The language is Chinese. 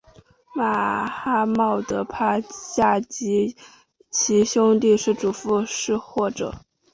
马哈茂德帕夏及其兄弟的祖父是或者。